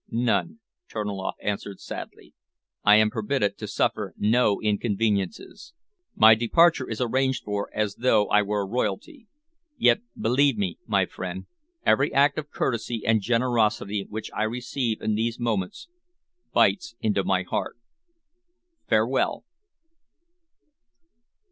"None," Terniloff answered sadly. "I am permitted to suffer no inconveniences. My departure is arranged for as though I were royalty. Yet believe me, my friend, every act of courtesy and generosity which I receive in these moments, bites into my heart. Farewell!"